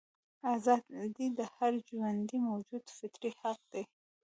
ازادي د هر ژوندي موجود فطري حق دی.